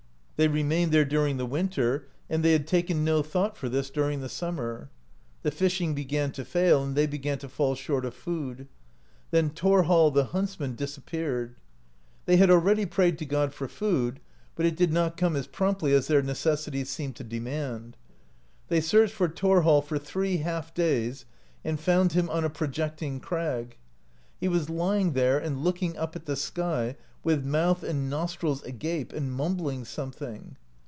They remained there during the winter, and they had taken no thought for this during the sun> mer. The fishing began to fail, and they began to fall short of food. Then Thorhall the Huntsman disap peared. They had already prayed to God for food, but it did not come as promptly as their necessities seemed to demand. They searched for Thorhall for three half days, and found him on a projecting crag. He was lying there and looking up at the sky, with mouth and nos trils agape, and mumbling something.